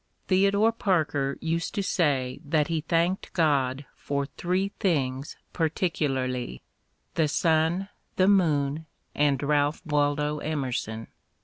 Theodore Parker used to say that he thanked God for three things particularly —" the sun, the moon, and Ralph Waldo Emerson."